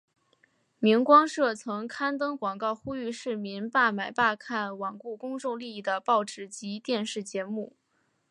明光社曾刊登广告呼吁市民罢买罢看罔顾公众利益的报纸及电视节目。